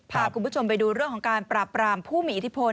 พาคุณผู้ชมไปดูเรื่องของการปราบรามผู้มีอิทธิพล